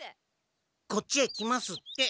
こっちへ来ますって。